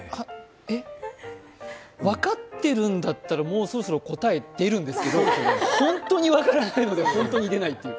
分かってるんだったらもうそろそろ答え出るんですけどほんとに分からないのでほんとに出ないという。